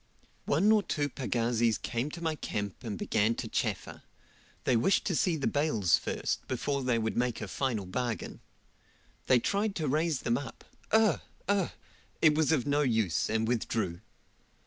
One or two pagazis came to my camp and began to chaffer; they wished to see the bales first, before they would make a final bargain. They tried to raise them up ugh! ugh! it was of no use, and withdrew.